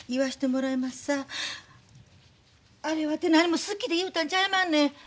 あれわてなにも好きで言うたんちゃいまんねん。